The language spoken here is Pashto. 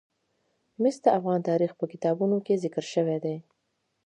مس د افغان تاریخ په کتابونو کې ذکر شوی دي.